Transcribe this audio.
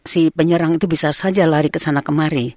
si penyerang itu bisa saja lari ke sana kemari